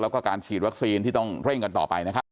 แล้วก็การฉีดวัคซีนที่ต้องเร่งกันต่อไปนะครับ